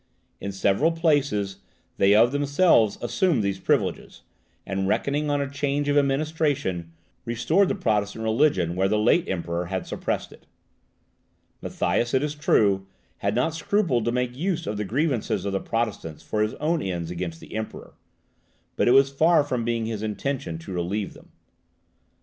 In several places, they of themselves assumed these privileges, and, reckoning on a change of administration, restored the Protestant religion where the late Emperor had suppressed it. Matthias, it is true, had not scrupled to make use of the grievances of the Protestants for his own ends against the Emperor; but it was far from being his intention to relieve them.